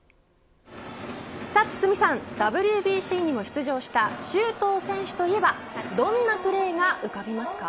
堤さん、ＷＢＣにも出場した周東選手といえばどんなプレーが浮かびますか。